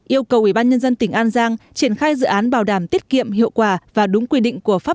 yêu cầu ủy ban nhân dân tỉnh an giang triển khai dự án bảo đảm tiết kiệm hiệu quả và đúng quy định của pháp